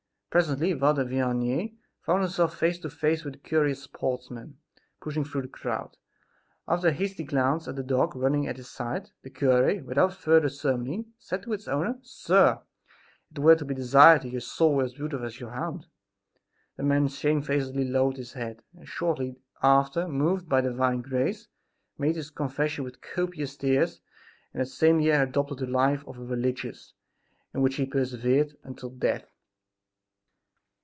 Presently Father Vianney found himself face to face with the curious sportsman pushing through the crowd. After a hasty glance at the dog running at his side, the cure, without further ceremony, said to its owner: "Sir, it were to be desired that your soul were as beautiful as your hound!" The man shamefacedly lowered his head and, shortly after, moved by divine grace, made his confession with copious tears and that same year adopted the life of a religious, in which he persevered until death.